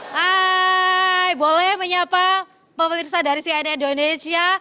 hai boleh menyapa pemirsa dari cnn indonesia